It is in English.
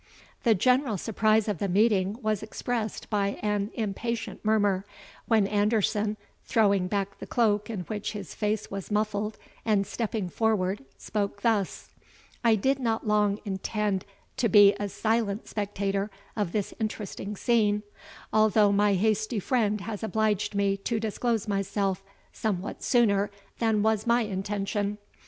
The general surprise of the meeting was expressed by an impatient murmur; when Anderson, throwing back the cloak in which his face was muffled, and stepping forward, spoke thus: "I did not long intend to be a silent spectator of this interesting scene, although my hasty friend has obliged me to disclose myself somewhat sooner than was my intention.